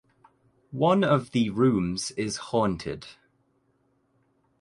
One of the rooms is haunted.